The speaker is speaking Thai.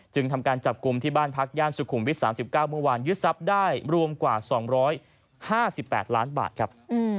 ทำการจับกลุ่มที่บ้านพักย่านสุขุมวิท๓๙เมื่อวานยึดทรัพย์ได้รวมกว่า๒๕๘ล้านบาทครับ